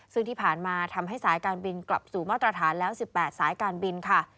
ซึ่งที่ผ่านมาทำให้สายการบินกลับสู่มาตรฐานแล้ว๑๘สายการบินค่ะ